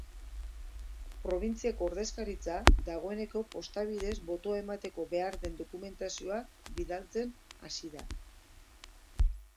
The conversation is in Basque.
Probintziako ordezkaritza dagoeneko posta bidez botoa emateko behar den dokumentazioa bidaltzen hasi da.